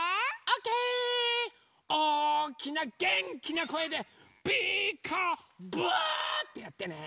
おおきなげんきなこえで「ピーカーブ！」っていってね。